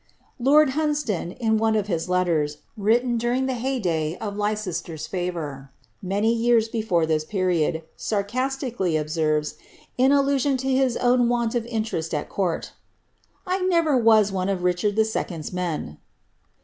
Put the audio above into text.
"' Lord Hunsdon, in one of his letters, written during the heyday of Lei cester's &vour, many years before this period, sarcastically observes, in allnsion to his own want of interest at court, " J never was one of Rich ard n.'s men."